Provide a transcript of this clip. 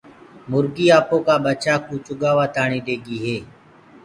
مُرگي آپو جآ ٻچآ ڪوُ چگآوآ تآڻي ليگي هي۔